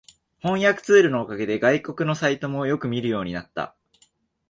翻訳ツールのおかげで外国のサイトもよく見るようになった